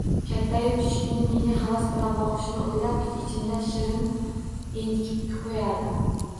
Kattayu kichikning menga havas bilan boqishini o`ylab, ich-ichimda shirin entikib qo`yardim